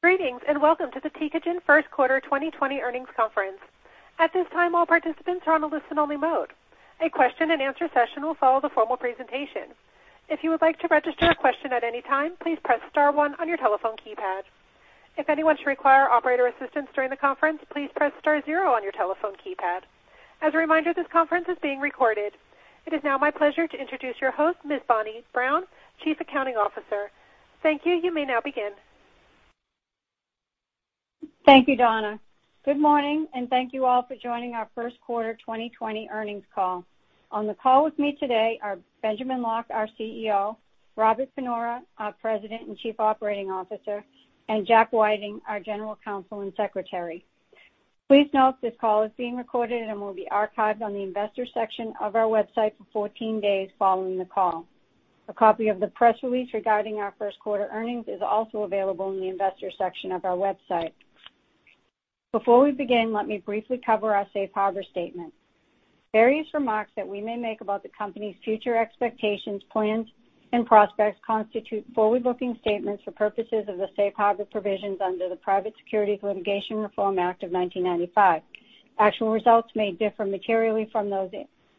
Greetings, and welcome to the Tecogen First Quarter 2020 Earnings Conference. At this time, all participants are on a listen-only mode. A question and answer session will follow the formal presentation. If you would like to register a question at any time, please press star one on your telephone keypad. If anyone should require operator assistance during the conference, please press star zero on your telephone keypad. As a reminder, this conference is being recorded. It is now my pleasure to introduce your host, Ms. Bonnie Brown, Chief Accounting Officer. Thank you. You may now begin. Thank you, Donna. Good morning, and thank you, all, for joining our first quarter 2020 earnings call. On the call with me today are Benjamin Locke, our CEO, Robert Panora, our President and Chief Operating Officer, and Jack Whiting, our General Counsel and Secretary. Please note this call is being recorded and will be archived on the investors section of our website for 14 days following the call. A copy of the press release regarding our first quarter earnings is also available in the investors section of our website. Before we begin, let me briefly cover our safe harbor statement. Various remarks that we may make about the company's future expectations, plans, and prospects constitute forward-looking statements for purposes of the safe harbor provisions under the Private Securities Litigation Reform Act of 1995. Actual results may differ materially from those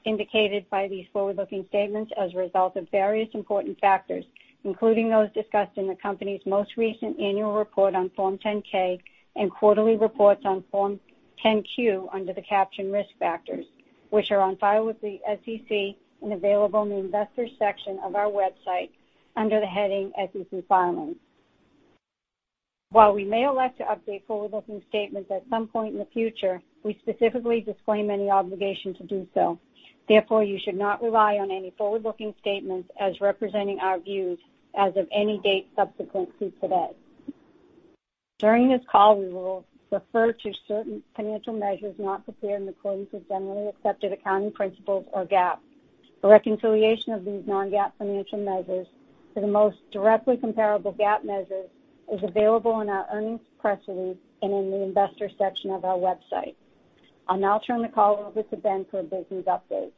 indicated by these forward-looking statements as a result of various important factors, including those discussed in the company's most recent annual report on Form 10-K and quarterly reports on Form 10-Q under the caption Risk Factors, which are on file with the SEC and available in the Investors section of our website under the heading SEC Filings. While we may elect to update forward-looking statements at some point in the future, we specifically disclaim any obligation to do so. Therefore, you should not rely on any forward-looking statements as representing our views as of any date subsequently today. During this call, we will refer to certain financial measures not prepared in accordance with generally accepted accounting principles, or GAAP. A reconciliation of these non-GAAP financial measures to the most directly comparable GAAP measures is available in our earnings press release and in the Investors section of our website. I'll now turn the call over to Ben for a business update.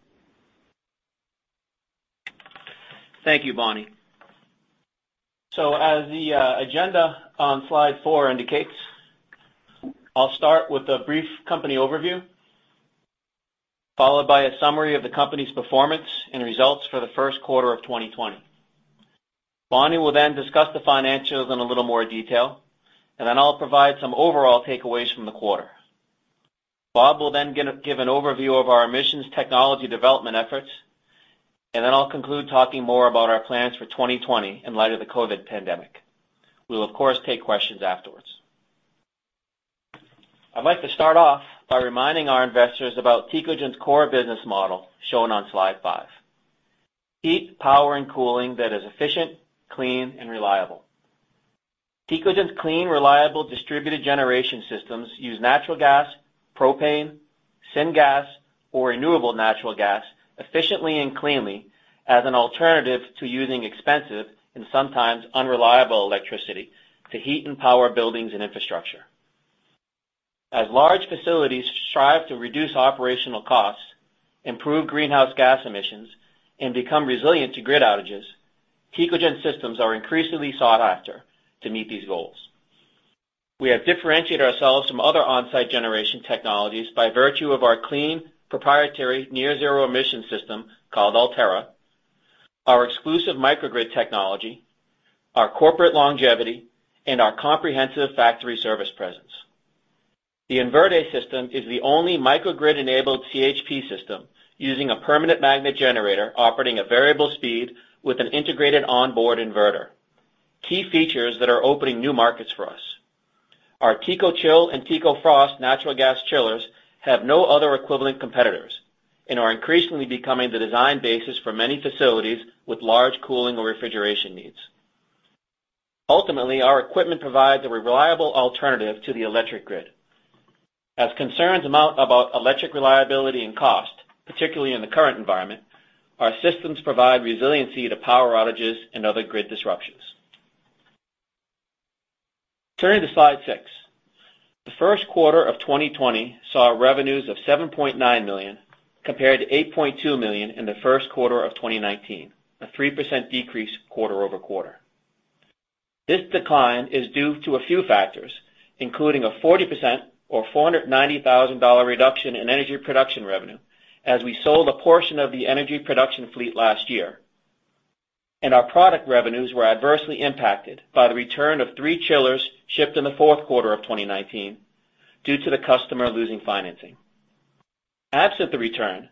Thank you, Bonnie. As the agenda on slide four indicates, I'll start with a brief company overview, followed by a summary of the company's performance and results for the first quarter of 2020. Bonnie will discuss the financials in a little more detail, I'll provide some overall takeaways from the quarter. Bob will give an overview of our emissions technology development efforts, I'll conclude talking more about our plans for 2020 in light of the COVID pandemic. We will, of course, take questions afterwards. I'd like to start off by reminding our investors about Tecogen's core business model, shown on slide five. Heat, power, and cooling that is efficient, clean, and reliable. Tecogen's clean, reliable, distributed generation systems use natural gas, propane, syngas, or renewable natural gas efficiently and cleanly as an alternative to using expensive and sometimes unreliable electricity to heat and power buildings and infrastructure. As large facilities strive to reduce operational costs, improve greenhouse gas emissions, and become resilient to grid outages, Tecogen systems are increasingly sought after to meet these goals. We have differentiated ourselves from other on-site generation technologies by virtue of our clean, proprietary, near zero emission system called Ultera, our exclusive microgrid technology, our corporate longevity, and our comprehensive factory service presence. The InVerde system is the only microgrid-enabled CHP system using a permanent magnet generator operating at variable speed with an integrated onboard inverter. Key features that are opening new markets for us. Our TECOCHILL and Tecofrost natural gas chillers have no other equivalent competitors and are increasingly becoming the design basis for many facilities with large cooling or refrigeration needs. Ultimately, our equipment provides a reliable alternative to the electric grid. As concerns mount about electric reliability and cost, particularly in the current environment, our systems provide resiliency to power outages and other grid disruptions. Turning to slide six. The first quarter of 2020 saw revenues of $7.9 million, compared to $8.2 million in the first quarter of 2019, a 3% decrease quarter-over-quarter. This decline is due to a few factors, including a 40%, or $490,000 reduction in energy production revenue as we sold a portion of the energy production fleet last year. Our product revenues were adversely impacted by the return of three chillers shipped in the fourth quarter of 2019 due to the customer losing financing. Absent the return,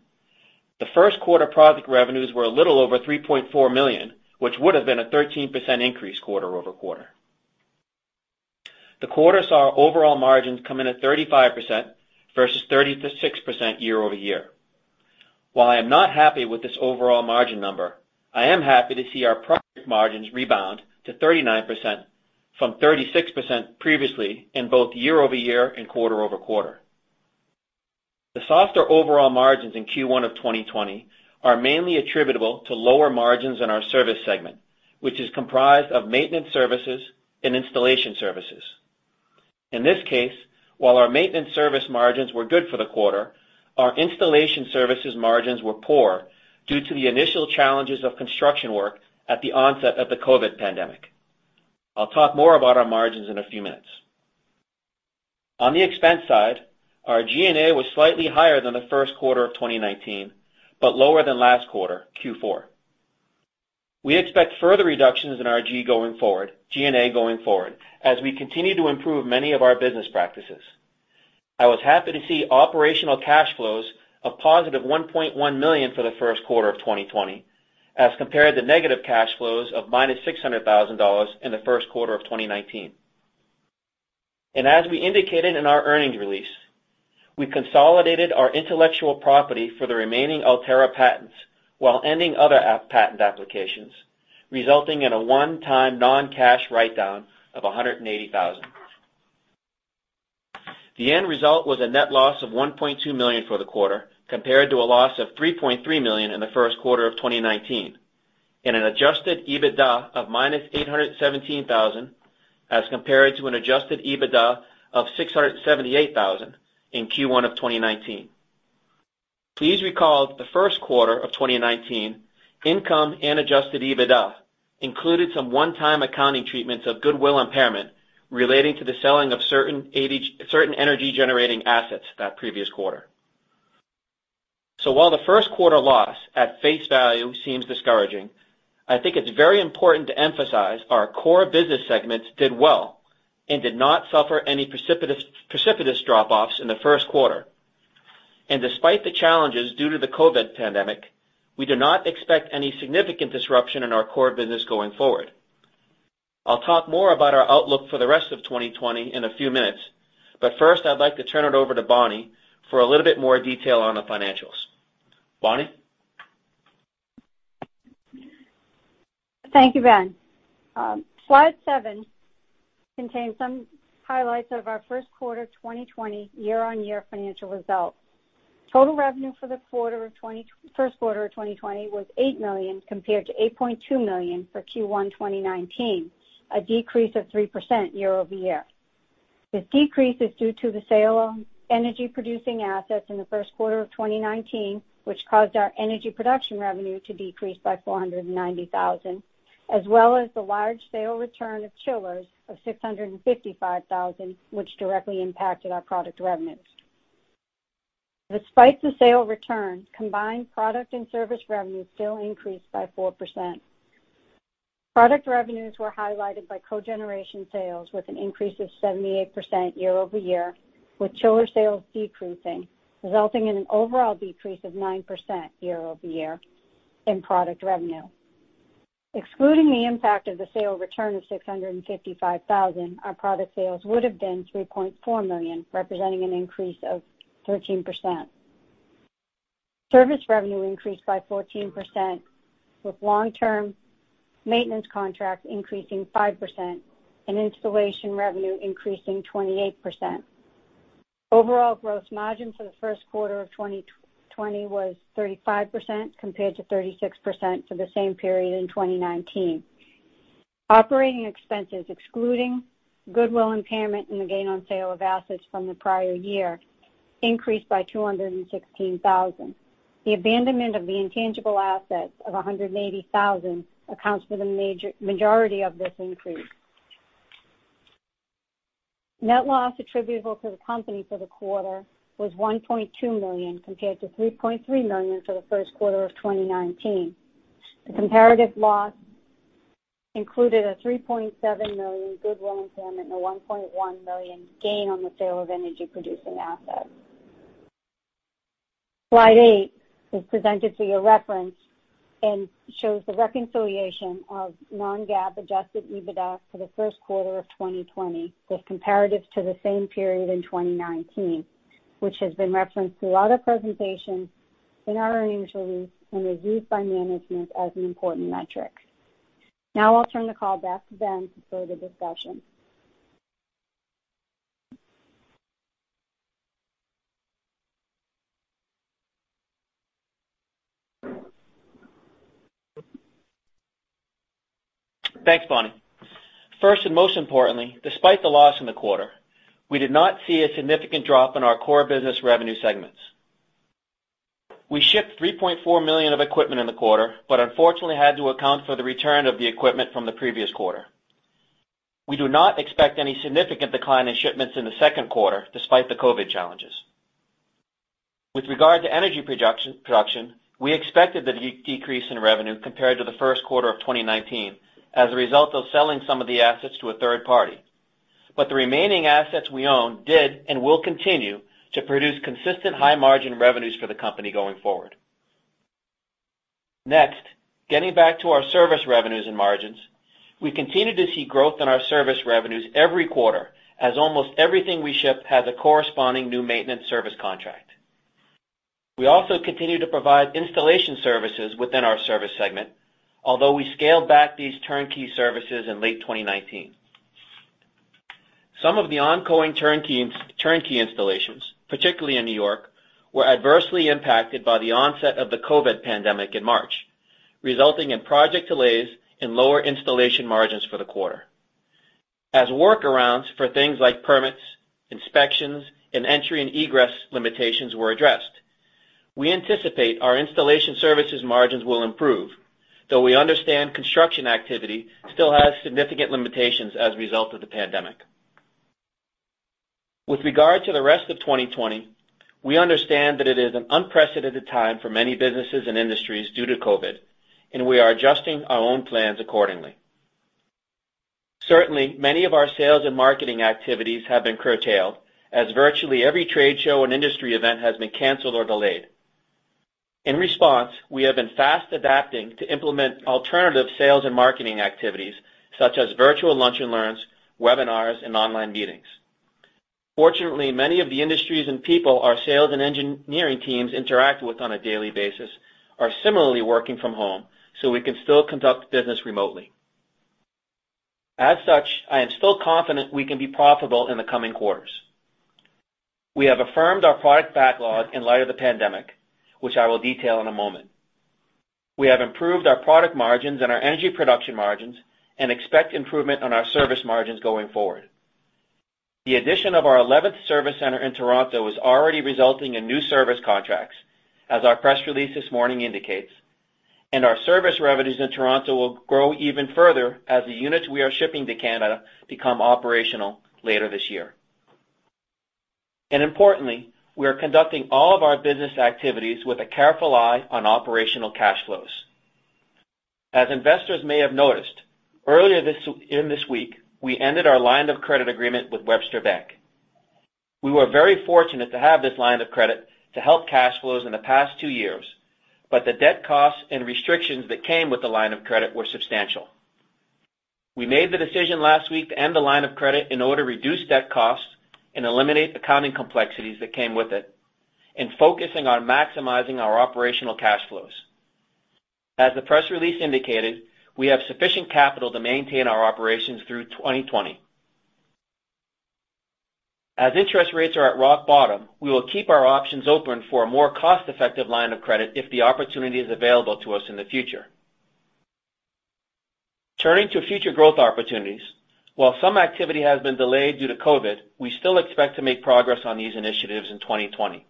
the first quarter product revenues were a little over $3.4 million, which would have been a 13% increase quarter-over-quarter. The quarter saw overall margins come in at 35% versus 36% year-over-year. While I am not happy with this overall margin number, I am happy to see our product margins rebound to 39% from 36% previously in both year-over-year and quarter-over-quarter. The softer overall margins in Q1 of 2020 are mainly attributable to lower margins in our service segment, which is comprised of maintenance services and installation services. In this case, while our maintenance service margins were good for the quarter, our installation services margins were poor due to the initial challenges of construction work at the onset of the COVID pandemic. I'll talk more about our margins in a few minutes. On the expense side, our G&A was slightly higher than the first quarter of 2019, but lower than last quarter, Q4. We expect further reductions in our G&A going forward as we continue to improve many of our business practices. I was happy to see operational cash flows of positive $1.1 million for the first quarter of 2020 as compared to negative cash flows of minus $600,000 in the first quarter of 2019. As we indicated in our earnings release, we consolidated our intellectual property for the remaining Ultera patents while ending other patent applications, resulting in a one-time non-cash write-down of $180,000. The end result was a net loss of $1.2 million for the quarter, compared to a loss of $3.3 million in the first quarter of 2019, and an adjusted EBITDA of minus $817,000, as compared to an adjusted EBITDA of $678,000 in Q1 of 2019. Please recall that the first quarter of 2019 income and adjusted EBITDA included some one-time accounting treatments of goodwill impairment relating to the selling of certain energy-generating assets that previous quarter. While the first quarter loss at face value seems discouraging, I think it's very important to emphasize our core business segments did well and did not suffer any precipitous drop-offs in the first quarter. Despite the challenges due to the COVID pandemic, we do not expect any significant disruption in our core business going forward. I'll talk more about our outlook for the rest of 2020 in a few minutes, but first, I'd like to turn it over to Bonnie for a little bit more detail on the financials. Bonnie? Thank you, Ben. Slide seven contains some highlights of our first quarter 2020 year-on-year financial results. Total revenue for the first quarter of 2020 was $8 million, compared to $8.2 million for Q1 2019, a decrease of 3% year-over-year. This decrease is due to the sale of energy-producing assets in the first quarter of 2019, which caused our energy production revenue to decrease by $490,000, as well as the large sale return of chillers of $655,000, which directly impacted our product revenues. Despite the sale return, combined product and service revenue still increased by 4%. Product revenues were highlighted by cogeneration sales with an increase of 78% year-over-year, with chiller sales decreasing, resulting in an overall decrease of 9% year-over-year in product revenue. Excluding the impact of the sale return of $655,000, our product sales would have been $3.4 million, representing an increase of 13%. Service revenue increased by 14%, with long-term maintenance contracts increasing 5% and installation revenue increasing 28%. Overall gross margin for the first quarter of 2020 was 35%, compared to 36% for the same period in 2019. Operating expenses, excluding goodwill impairment and the gain on sale of assets from the prior year, increased by $216,000. The abandonment of the intangible assets of $180,000 accounts for the majority of this increase. Net loss attributable to the company for the quarter was $1.2 million, compared to $3.3 million for the first quarter of 2019. The comparative loss included a $3.7 million goodwill impairment and a $1.1 million gain on the sale of energy-producing assets. Slide eight is presented for your reference and shows the reconciliation of non-GAAP adjusted EBITDA for the first quarter of 2020 with comparative to the same period in 2019, which has been referenced throughout our presentation in our earnings release and reviewed by management as an important metric. I'll turn the call back to Ben for the discussion. Thanks, Bonnie. First, most importantly, despite the loss in the quarter, we did not see a significant drop in our core business revenue segments. We shipped $3.4 million of equipment in the quarter, unfortunately had to account for the return of the equipment from the previous quarter. We do not expect any significant decline in shipments in the second quarter, despite the COVID challenges. With regard to energy production, we expected the decrease in revenue compared to the first quarter of 2019 as a result of selling some of the assets to a third party. The remaining assets we own did and will continue to produce consistent high-margin revenues for the company going forward. Getting back to our service revenues and margins, we continue to see growth in our service revenues every quarter, as almost everything we ship has a corresponding new maintenance service contract. We also continue to provide installation services within our service segment, although we scaled back these turnkey services in late 2019. Some of the ongoing turnkey installations, particularly in N.Y., were adversely impacted by the onset of the COVID pandemic in March. Resulting in project delays and lower installation margins for the quarter. As workarounds for things like permits, inspections, and entry and egress limitations were addressed, we anticipate our installation services margins will improve, though we understand construction activity still has significant limitations as a result of the pandemic. With regard to the rest of 2020, we understand that it is an unprecedented time for many businesses and industries due to COVID, we are adjusting our own plans accordingly. Certainly, many of our sales and marketing activities have been curtailed, virtually every trade show and industry event has been canceled or delayed. In response, we have been fast adapting to implement alternative sales and marketing activities, such as virtual lunch and learns, webinars, and online meetings. Fortunately, many of the industries and people our sales and engineering teams interact with on a daily basis are similarly working from home, we can still conduct business remotely. As such, I am still confident we can be profitable in the coming quarters. We have affirmed our product backlog in light of the pandemic, which I will detail in a moment. We have improved our product margins and our energy production margins and expect improvement on our service margins going forward. The addition of our 11th service center in Toronto is already resulting in new service contracts, as our press release this morning indicates, our service revenues in Toronto will grow even further as the units we are shipping to Canada become operational later this year. Importantly, we are conducting all of our business activities with a careful eye on operational cash flows. As investors may have noticed, earlier in this week, we ended our line of credit agreement with Webster Bank. We were very fortunate to have this line of credit to help cash flows in the past two years, but the debt costs and restrictions that came with the line of credit were substantial. We made the decision last week to end the line of credit in order to reduce debt costs and eliminate accounting complexities that came with it and focusing on maximizing our operational cash flows. As the press release indicated, we have sufficient capital to maintain our operations through 2020. As interest rates are at rock bottom, we will keep our options open for a more cost-effective line of credit if the opportunity is available to us in the future. Turning to future growth opportunities, while some activity has been delayed due to COVID, we still expect to make progress on these initiatives in 2020.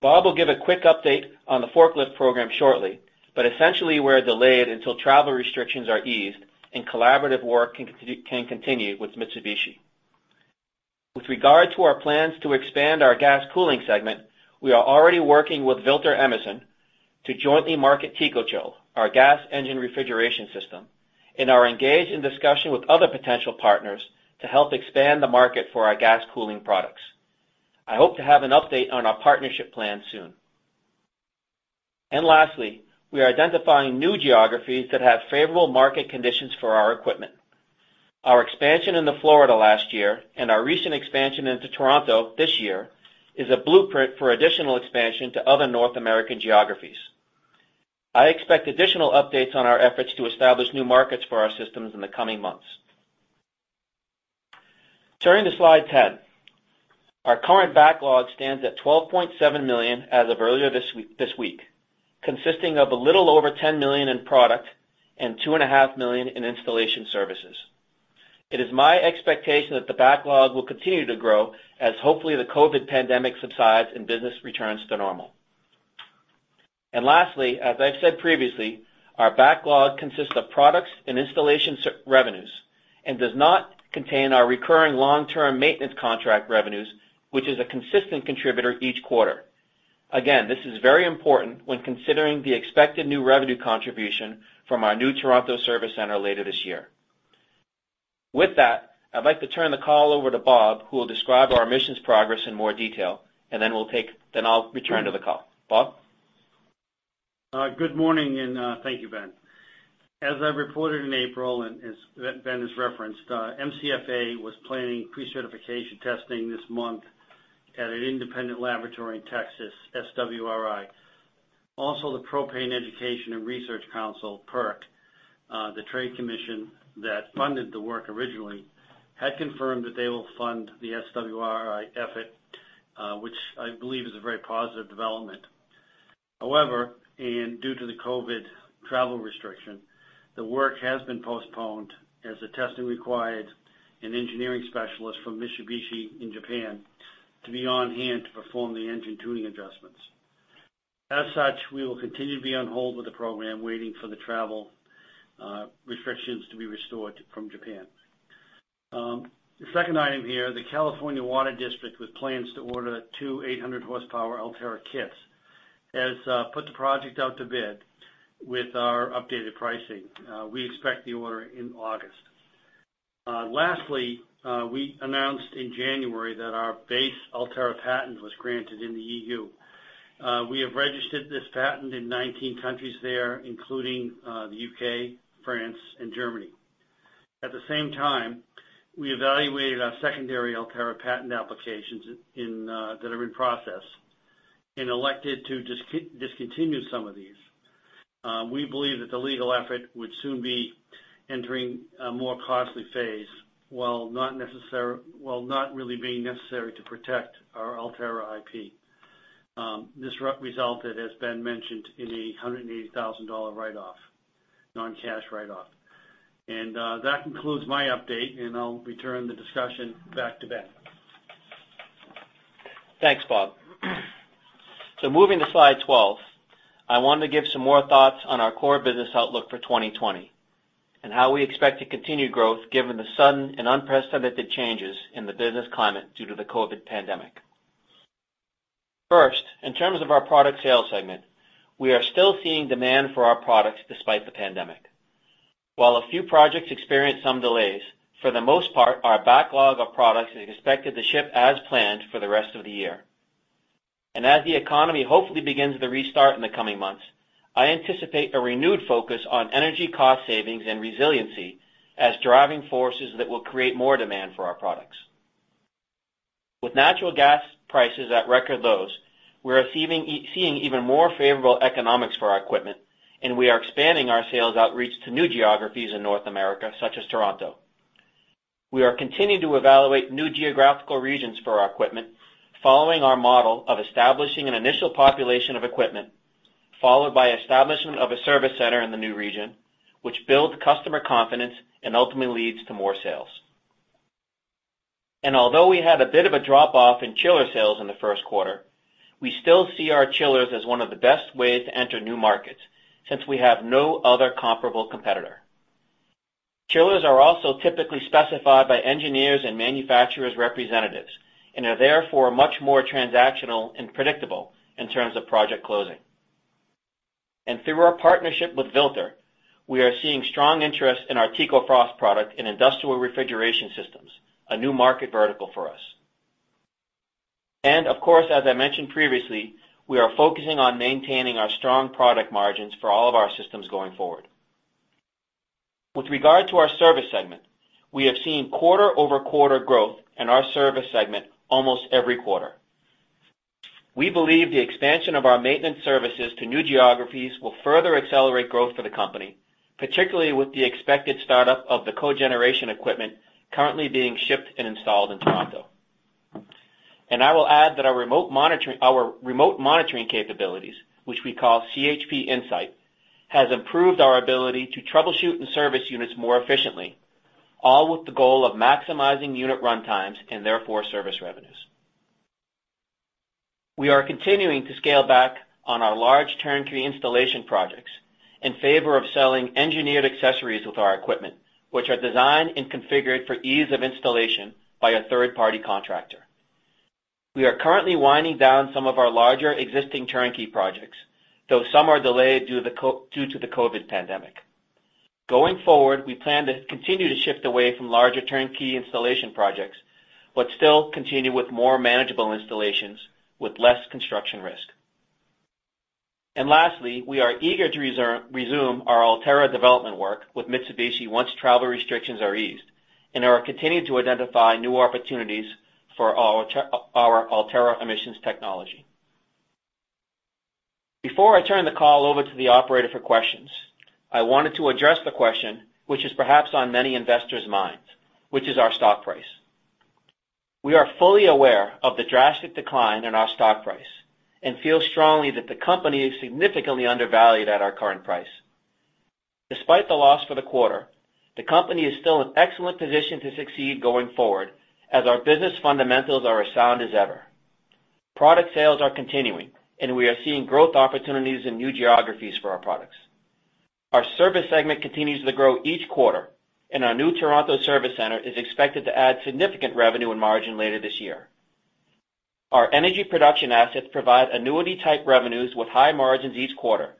Bob will give a quick update on the forklift program shortly, but essentially, we're delayed until travel restrictions are eased and collaborative work can continue with Mitsubishi. With regard to our plans to expand our gas cooling segment, we are already working with Vilter Emerson to jointly market Tecogen, our gas engine refrigeration system, and are engaged in discussion with other potential partners to help expand the market for our gas cooling products. I hope to have an update on our partnership plan soon. Lastly, we are identifying new geographies that have favorable market conditions for our equipment. Our expansion into Florida last year and our recent expansion into Toronto this year is a blueprint for additional expansion to other North American geographies. I expect additional updates on our efforts to establish new markets for our systems in the coming months. Turning to slide 10. Our current backlog stands at $12.7 million as of earlier this week, consisting of a little over $10 million in product and $2.5 million in installation services. It is my expectation that the backlog will continue to grow as hopefully the COVID pandemic subsides and business returns to normal. Lastly, as I've said previously, our backlog consists of products and installation revenues and does not contain our recurring long-term maintenance contract revenues, which is a consistent contributor each quarter. Again, this is very important when considering the expected new revenue contribution from our new Toronto service center later this year. With that, I'd like to turn the call over to Bob, who will describe our emissions progress in more detail, and then I'll return to the call. Bob? Good morning, and thank you, Ben. As I reported in April, and as Ben has referenced, MCFA was planning pre-certification testing this month at an independent laboratory in Texas, SwRI. The Propane Education and Research Council, PERC, the trade commission that funded the work originally, had confirmed that they will fund the SwRI effort, which I believe is a very positive development. However, due to the COVID travel restriction, the work has been postponed as the testing required an engineering specialist from Mitsubishi in Japan to be on-hand to perform the engine tuning adjustments. As such, we will continue to be on hold with the program, waiting for the travel restrictions to be restored from Japan. The second item here, the California Water District, with plans to order two 800-horsepower Ultera kits, has put the project out to bid with our updated pricing. We expect the order in August. Lastly, we announced in January that our base Ultera patent was granted in the EU. We have registered this patent in 19 countries there, including the U.K., France, and Germany. At the same time, we evaluated our secondary Ultera patent applications that are in process and elected to discontinue some of these. We believe that the legal effort would soon be entering a more costly phase while not really being necessary to protect our Ultera IP. This result that has been mentioned in the $180,000 write-off, non-cash write-off. That concludes my update, and I'll return the discussion back to Ben. Thanks, Bob. Moving to slide 12, I wanted to give some more thoughts on our core business outlook for 2020 and how we expect to continue growth given the sudden and unprecedented changes in the business climate due to the COVID pandemic. First, in terms of our product sales segment, we are still seeing demand for our products despite the pandemic. While a few projects experience some delays, for the most part, our backlog of products is expected to ship as planned for the rest of the year. As the economy hopefully begins to restart in the coming months, I anticipate a renewed focus on energy cost savings and resiliency as driving forces that will create more demand for our products. With natural gas prices at record lows, we're seeing even more favorable economics for our equipment, and we are expanding our sales outreach to new geographies in North America, such as Toronto. We are continuing to evaluate new geographical regions for our equipment following our model of establishing an initial population of equipment, followed by establishment of a service center in the new region, which builds customer confidence and ultimately leads to more sales. Although we had a bit of a drop-off in chiller sales in the first quarter, we still see our chillers as one of the best ways to enter new markets since we have no other comparable competitor. Chillers are also typically specified by engineers and manufacturers' representatives and are therefore much more transactional and predictable in terms of project closing. Through our partnership with Vilter, we are seeing strong interest in our Tecofrost product in industrial refrigeration systems, a new market vertical for us. Of course, as I mentioned previously, we are focusing on maintaining our strong product margins for all of our systems going forward. With regard to our service segment, we have seen quarter-over-quarter growth in our service segment almost every quarter. We believe the expansion of our maintenance services to new geographies will further accelerate growth for the company, particularly with the expected startup of the cogeneration equipment currently being shipped and installed in Toronto. I will add that our remote monitoring capabilities, which we call CHP Insight, has improved our ability to troubleshoot and service units more efficiently, all with the goal of maximizing unit runtimes and therefore service revenues. We are continuing to scale back on our large turnkey installation projects in favor of selling engineered accessories with our equipment, which are designed and configured for ease of installation by a third-party contractor. We are currently winding down some of our larger existing turnkey projects, though some are delayed due to the COVID pandemic. Going forward, we plan to continue to shift away from larger turnkey installation projects, but still continue with more manageable installations with less construction risk. Lastly, we are eager to resume our Ultera development work with Mitsubishi once travel restrictions are eased and are continuing to identify new opportunities for our Ultera emissions technology. Before I turn the call over to the operator for questions, I wanted to address the question, which is perhaps on many investors' minds, which is our stock price. We are fully aware of the drastic decline in our stock price and feel strongly that the company is significantly undervalued at our current price. Despite the loss for the quarter, the company is still in excellent position to succeed going forward as our business fundamentals are as sound as ever. Product sales are continuing, we are seeing growth opportunities in new geographies for our products. Our service segment continues to grow each quarter, and our new Toronto service center is expected to add significant revenue and margin later this year. Our energy production assets provide annuity-type revenues with high margins each quarter,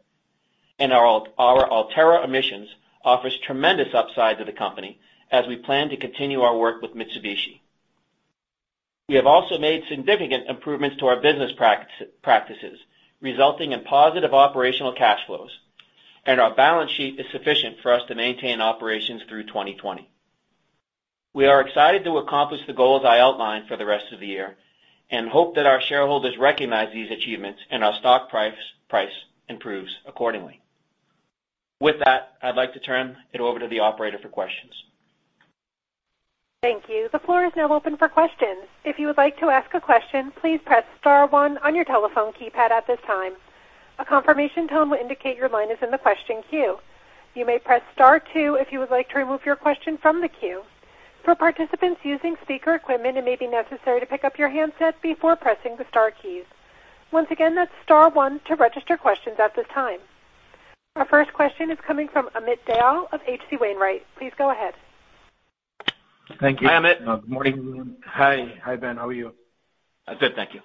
and our Ultera emissions offers tremendous upside to the company as we plan to continue our work with Mitsubishi. We have also made significant improvements to our business practices, resulting in positive operational cash flows, our balance sheet is sufficient for us to maintain operations through 2020. We are excited to accomplish the goals I outlined for the rest of the year and hope that our shareholders recognize these achievements and our stock price improves accordingly. With that, I'd like to turn it over to the operator for questions. Thank you. The floor is now open for questions. If you would like to ask a question, please press star 1 on your telephone keypad at this time. A confirmation tone will indicate your line is in the question queue. You may press star 2 if you would like to remove your question from the queue. For participants using speaker equipment, it may be necessary to pick up your handset before pressing the star keys. Once again, that's star 1 to register questions at this time. Our first question is coming from Amit Dayal of H.C. Wainwright. Please go ahead. Thank you. Hi, Amit. Good morning. Hi, Ben. How are you? I'm good, thank you.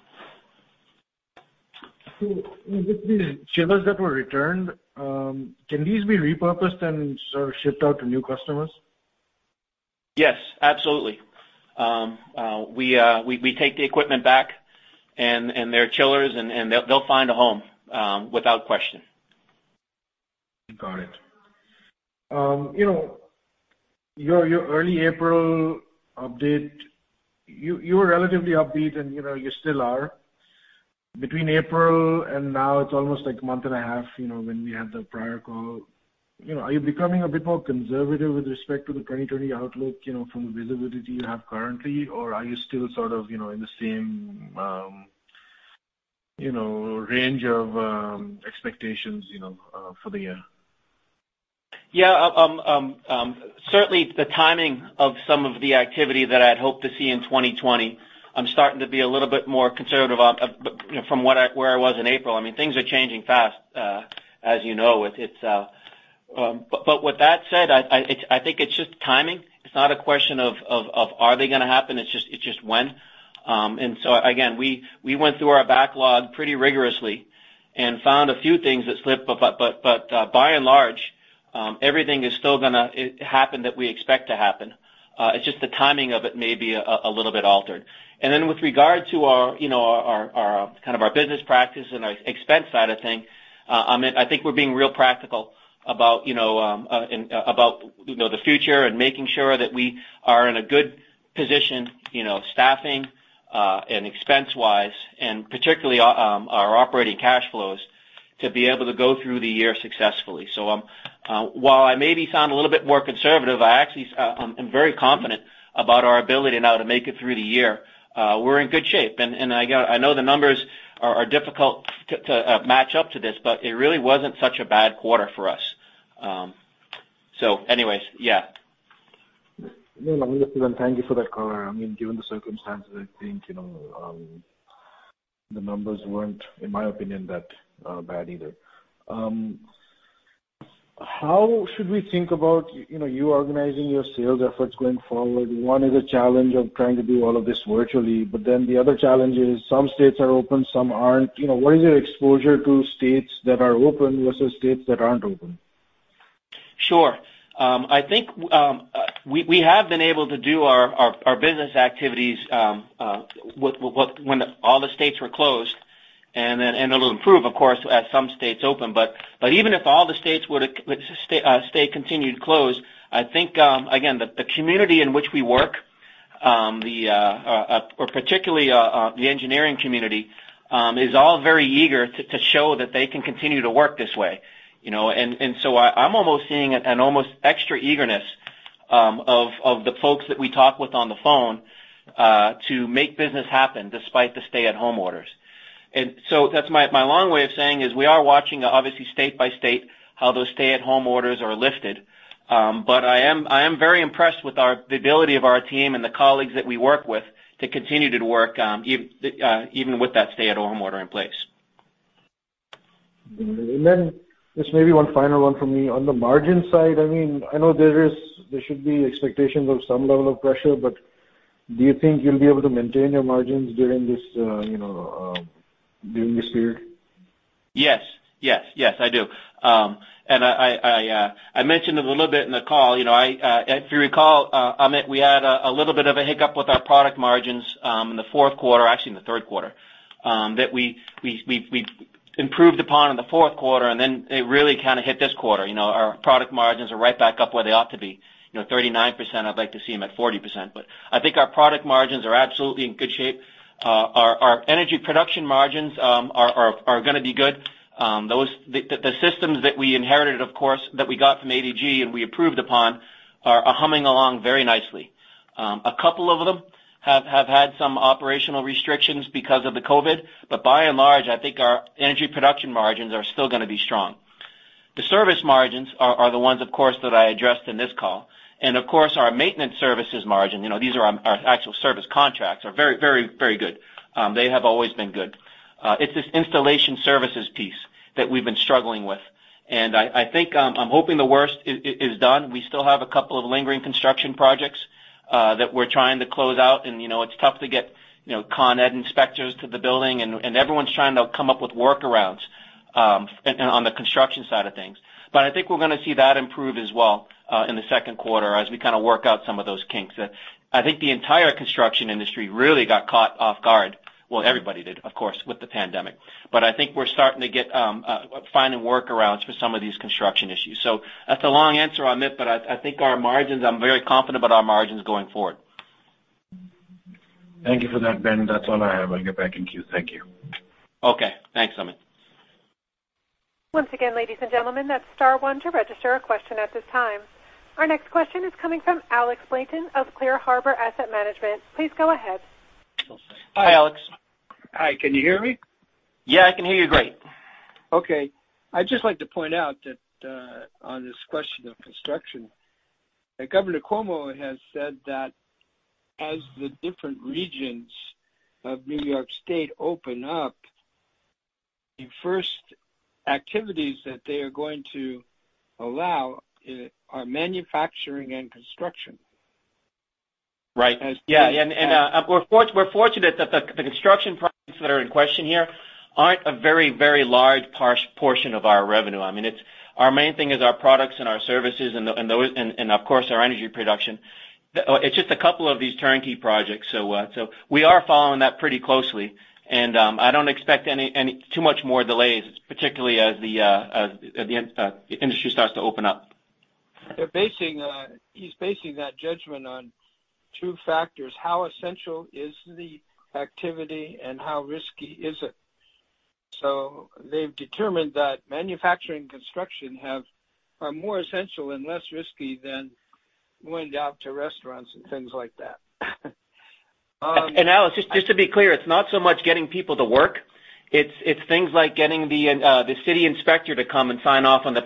With these chillers that were returned, can these be repurposed and sort of shipped out to new customers? Yes, absolutely. We take the equipment back and they're chillers and they'll find a home without question. Got it. You know, your early April update, you were relatively upbeat and, you know, you still are. Between April and now, it's almost a month and a half, when we had the prior call. Are you becoming a bit more conservative with respect to the 2020 outlook from the visibility you have currently, or are you still in the same range of expectations for the year? Yeah. Certainly, the timing of some of the activity that I'd hoped to see in 2020, I'm starting to be a little bit more conservative from where I was in April. Things are changing fast, as you know. With that said, I think it's just timing. It's not a question of are they going to happen? It's just when. Again, we went through our backlog pretty rigorously and found a few things that slipped, but by and large, everything is still going to happen that we expect to happen. It's just the timing of it may be a little bit altered. With regard to our business practice and our expense side of things, Amit, I think we're being real practical about the future and making sure that we are in a good position staffing and expense-wise, and particularly our operating cash flows, to be able to go through the year successfully. While I maybe sound a little bit more conservative, I actually am very confident about our ability now to make it through the year. We're in good shape. I know the numbers are difficult to match up to this, but it really wasn't such a bad quarter for us. No, Ben, thank you for that color. Given the circumstances, I think the numbers weren't, in my opinion, that bad either. How should we think about you organizing your sales efforts going forward? One is a challenge of trying to do all of this virtually, the other challenge is some states are open, some aren't. What is your exposure to states that are open versus states that aren't open? Sure. I think we have been able to do our business activities when all the states were closed, it'll improve, of course, as some states open. Even if all the states would stay continued closed, I think, again, the community in which we work, or particularly the engineering community, is all very eager to show that they can continue to work this way. I'm almost seeing an almost extra eagerness of the folks that we talk with on the phone to make business happen despite the stay-at-home orders. That's my long way of saying is we are watching, obviously state by state, how those stay-at-home orders are lifted. I am very impressed with the ability of our team and the colleagues that we work with to continue to work even with that stay-at-home order in place. Just maybe one final one for me. On the margin side, I know there should be expectations of some level of pressure, do you think you'll be able to maintain your margins during this period? Yes, I do. I mentioned it a little bit in the call. If you recall, Amit, we had a little bit of a hiccup with our product margins in the fourth quarter, actually in the third quarter, that we improved upon in the fourth quarter, it really kind of hit this quarter. Our product margins are right back up where they ought to be, 39%. I'd like to see them at 40%, I think our product margins are absolutely in good shape. Our energy production margins are going to be good. The systems that we inherited, of course, that we got from ADG and we improved upon, are humming along very nicely. A couple of them have had some operational restrictions because of the COVID, by and large, I think our energy production margins are still going to be strong. The service margins are the ones, of course, that I addressed in this call. Of course, our maintenance services margin, these are our actual service contracts, are very good. They have always been good. It's this installation services piece that we've been struggling with. I'm hoping the worst is done. We still have a couple of lingering construction projects that we're trying to close out, and it's tough to get Con Ed inspectors to the building, and everyone's trying to come up with workarounds on the construction side of things. I think we're going to see that improve as well in the second quarter as we kind of work out some of those kinks. I think the entire construction industry really got caught off guard. Well, everybody did, of course, with the pandemic. I think we're starting to find the workarounds for some of these construction issues. That's a long answer, Amit, but I think our margins, I'm very confident about our margins going forward. Thank you for that, Ben. That's all I have. I'll get back in queue. Thank you. Okay. Thanks, Amit. Once again, ladies and gentlemen, that's star one to register a question at this time. Our next question is coming from Alex Blanton of ClearHarbor Asset Management. Please go ahead. Hi, Alex. Hi, can you hear me? Yeah, I can hear you great. Okay. I'd just like to point out that on this question of construction, that Governor Cuomo has said that as the different regions of New York State open up, the first activities that they are going to allow are manufacturing and construction. Right. Yeah. We're fortunate that the construction projects that are in question here aren't a very large portion of our revenue. Our main thing is our products and our services and of course, our energy production. It's just a couple of these turnkey projects. We are following that pretty closely, and I don't expect too much more delays, particularly as the industry starts to open up. He's basing that judgment on two factors, how essential is the activity and how risky is it? They've determined that manufacturing construction are more essential and less risky than going out to restaurants and things like that. Alex, just to be clear, it's not so much getting people to work. It's things like getting the city inspector to come and sign off on the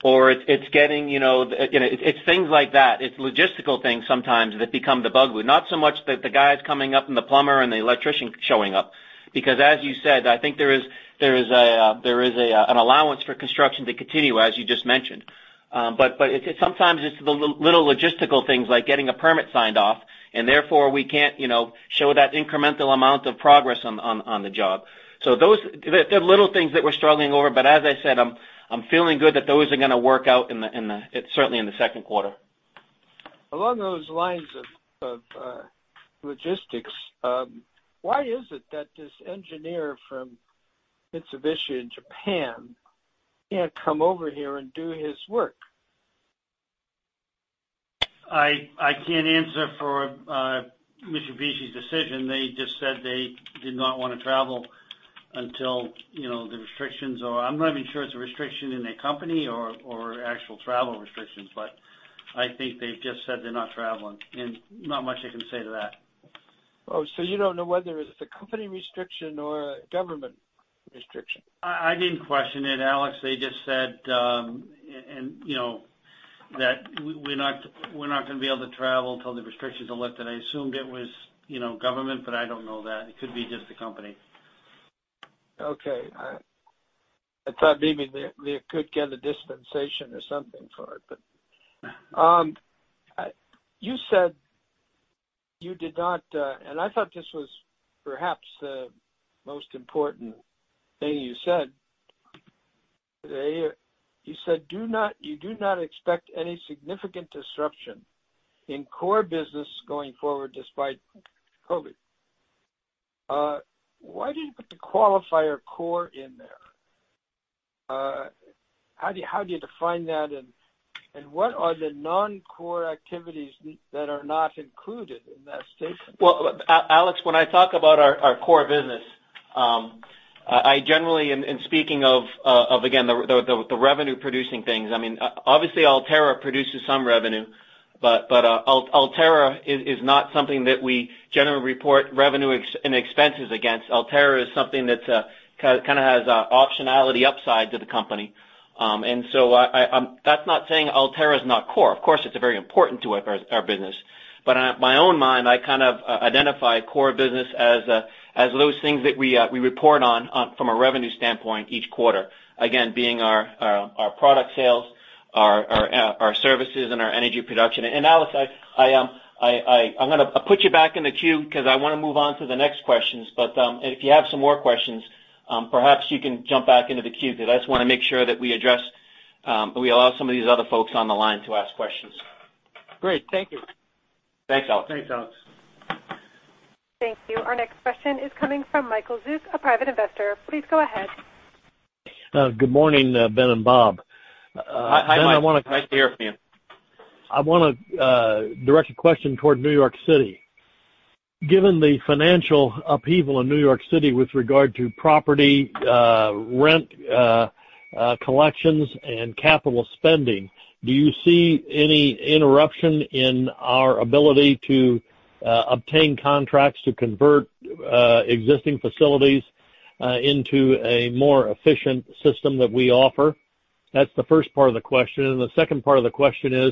permit. It's things like that. It's logistical things sometimes that become the bugaboo. Not so much the guys coming up and the plumber and the electrician showing up, because as you said, I think there is an allowance for construction to continue, as you just mentioned. Sometimes it's the little logistical things like getting a permit signed off, and therefore we can't show that incremental amount of progress on the job. They're little things that we're struggling over, but as I said, I'm feeling good that those are going to work out certainly in the second quarter. Along those lines of logistics, why is it that this engineer from Mitsubishi in Japan can't come over here and do his work? I can't answer for Mitsubishi's decision. They just said they did not want to travel until the restrictions are I'm not even sure it's a restriction in their company or actual travel restrictions, but I think they've just said they're not traveling, and not much I can say to that. Oh, you don't know whether it's a company restriction or a government restriction? I didn't question it, Alex. They just said that we're not going to be able to travel till the restrictions are lifted. I assumed it was government, but I don't know that. It could be just the company. Okay. I thought maybe they could get a dispensation or something for it. You said you did not, and I thought this was perhaps the most important thing you said today. You said you do not expect any significant disruption in core business going forward despite COVID. Why did you put the qualifier core in there? How do you define that, and what are the non-core activities that are not included in that statement? Well, Alex, when I talk about our core business, I generally am speaking of, again, the revenue-producing things. Obviously Ultera produces some revenue, Ultera is not something that we generally report revenue and expenses against. Ultera is something that kind of has optionality upside to the company. That's not saying Ultera is not core. Of course, it's very important to our business. In my own mind, I kind of identify core business as those things that we report on from a revenue standpoint each quarter. Again, being our product sales, our services, and our energy production. Alex, I'm going to put you back in the queue because I want to move on to the next questions. If you have some more questions, perhaps you can jump back into the queue because I just want to make sure that we allow some of these other folks on the line to ask questions. Great. Thank you. Thanks, Alex. Thanks, Alex. Thank you. Our next question is coming from Michael Zeus, a private investor. Please go ahead. Good morning, Ben and Bob. Hi, Mike. Nice to hear from you. I want to direct a question toward New York City. Given the financial upheaval in New York City with regard to property, rent collections, and capital spending, do you see any interruption in our ability to obtain contracts to convert existing facilities into a more efficient system that we offer? That's the first part of the question. The second part of the question is,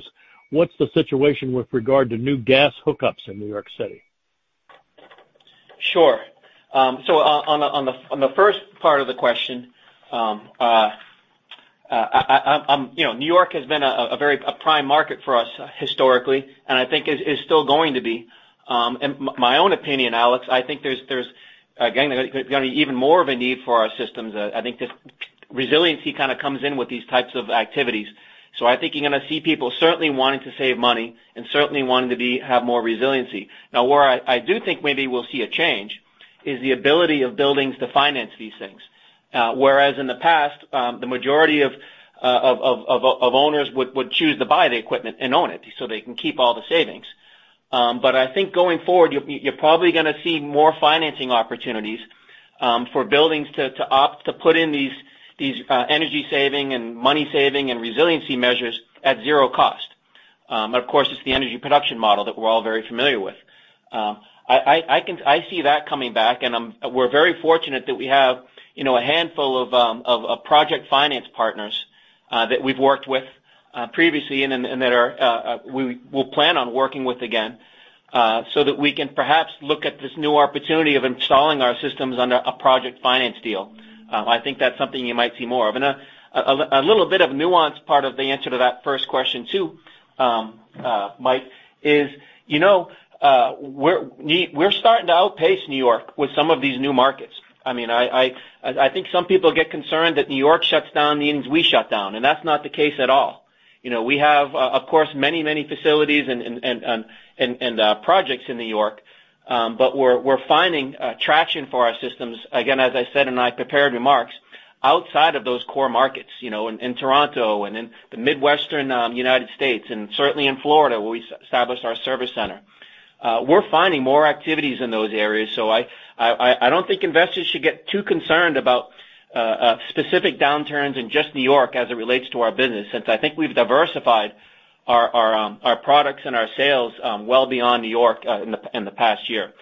what's the situation with regard to new gas hookups in New York City? Sure. On the first part of the question, New York has been a prime market for us historically, and I think is still going to be. In my own opinion, Alex, I think there's going to be even more of a need for our systems. I think this resiliency kind of comes in with these types of activities. I think you're going to see people certainly wanting to save money and certainly wanting to have more resiliency. Now, where I do think maybe we'll see a change is the ability of buildings to finance these things. Whereas in the past, the majority of owners would choose to buy the equipment and own it so they can keep all the savings. I think going forward, you're probably going to see more financing opportunities for buildings to opt to put in these energy-saving and money-saving and resiliency measures at zero cost. Of course, it's the energy production model that we're all very familiar with. I see that coming back. We're very fortunate that we have a handful of project finance partners that we've worked with previously and that we'll plan on working with again, so that we can perhaps look at this new opportunity of installing our systems under a project finance deal. I think that's something you might see more of. A little bit of nuance part of the answer to that first question too, Mike, is we're starting to outpace New York with some of these new markets. I think some people get concerned that New York shuts down means we shut down, and that's not the case at all. We have, of course, many facilities and projects in New York. We're finding traction for our systems, again, as I said in my prepared remarks, outside of those core markets, in Toronto and in the Midwestern U.S., and certainly in Florida, where we established our service center. I don't think investors should get too concerned about specific downturns in just New York as it relates to our business, since I think we've diversified our products and our sales well beyond New York in the past year.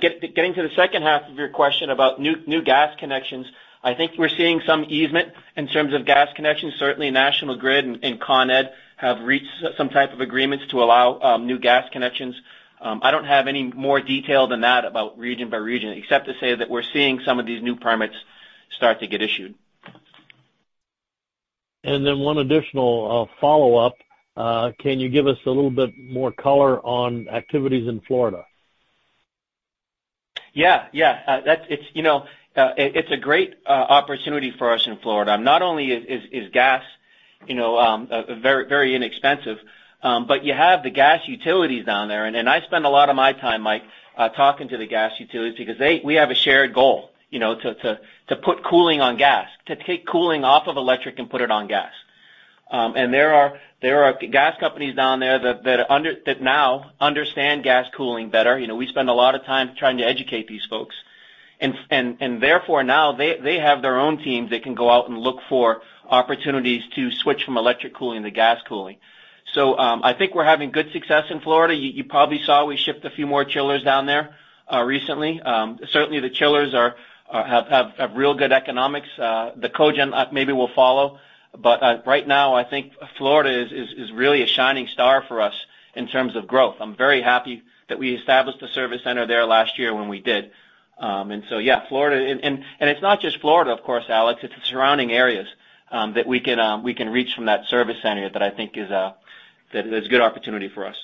Getting to the second half of your question about new gas connections, I think we're seeing some easement in terms of gas connections. Certainly, National Grid and Con Edison have reached some type of agreements to allow new gas connections. I don't have any more detail than that about region by region, except to say that we're seeing some of these new permits start to get issued. One additional follow-up. Can you give us a little bit more color on activities in Florida? Yeah. It's a great opportunity for us in Florida. Not only is gas very inexpensive, but you have the gas utilities down there, and I spend a lot of my time, Mike, talking to the gas utilities because we have a shared goal, to put cooling on gas, to take cooling off of electric and put it on gas. There are gas companies down there that now understand gas cooling better. We spend a lot of time trying to educate these folks. Therefore, now they have their own teams that can go out and look for opportunities to switch from electric cooling to gas cooling. I think we're having good success in Florida. You probably saw we shipped a few more chillers down there recently. Certainly, the chillers have real good economics. Cogen maybe will follow, but right now, I think Florida is really a shining star for us in terms of growth. I'm very happy that we established a service center there last year when we did. It's not just Florida, of course, Alex, it's the surrounding areas that we can reach from that service center that I think is a good opportunity for us.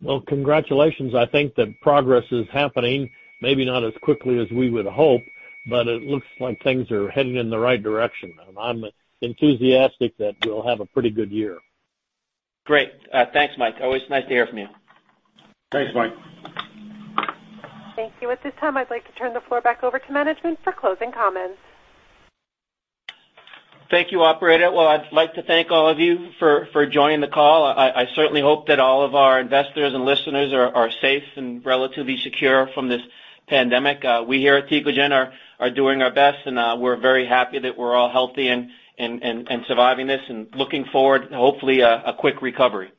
Well, congratulations. I think that progress is happening, maybe not as quickly as we would hope, but it looks like things are heading in the right direction. I'm enthusiastic that we'll have a pretty good year. Great. Thanks, Mike. Always nice to hear from you. Thanks, Mike. Thank you. At this time, I'd like to turn the floor back over to management for closing comments. Thank you, operator. I'd like to thank all of you for joining the call. I certainly hope that all of our investors and listeners are safe and relatively secure from this pandemic. We here at Tecogen are doing our best, and we're very happy that we're all healthy and surviving this and looking forward to hopefully a quick recovery.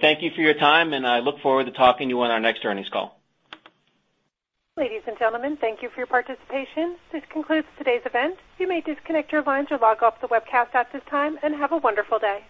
Thank you for your time, and I look forward to talking to you on our next earnings call. Ladies and gentlemen, thank you for your participation. This concludes today's event. You may disconnect your lines or log off the webcast at this time, have a wonderful day.